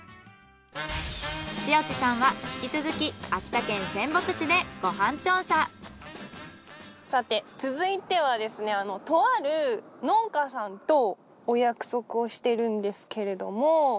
塩地さんは引き続きさて続いてはですねとある農家さんとお約束をしてるんですけれども。